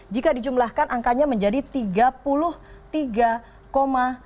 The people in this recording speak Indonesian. jika dijumlahkan angkanya menjadi rp tiga juta